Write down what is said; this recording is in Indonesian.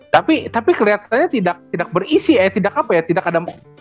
tapi tapi keliatan nya tidak berisi ya tidak apa ya tidak ada yang berisi